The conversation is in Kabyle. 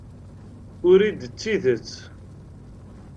Urid d tidet.